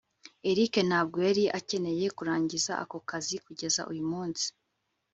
eric ntabwo yari akeneye kurangiza ako kazi kugeza uyu munsi